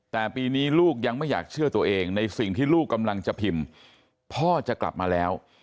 แต่ปีนี้ลูกยังไม่อยากเชื่อตัวเองในสิ่งที่ลูกกำลังจะพิมพ์พ่อจะกลับมาแล้ว